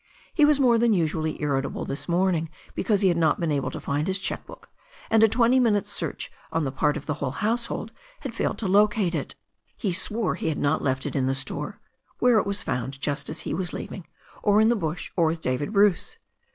He was more than usually ir ritable this morning because he had not been able to find his cheque book, and a twenty minutes' search on the part of the whole household had failed to locate it. He swore he had not left it in the store — ^where it was found just as he was leaving — or in the bush, or with David Bruce.